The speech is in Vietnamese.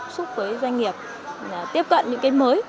xúc với doanh nghiệp tiếp cận những cái mới